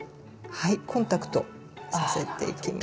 はいコンタクトさせていきます。